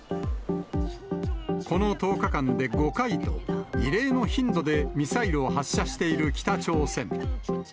この１０日間で５回と、異例の頻度でミサイルを発射している北朝鮮。